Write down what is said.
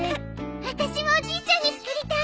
私もおじいちゃんに作りたい。